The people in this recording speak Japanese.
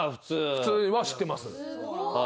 普通は知ってます。